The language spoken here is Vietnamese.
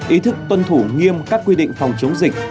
ý thức tuân thủ nghiêm các quy định phòng chống dịch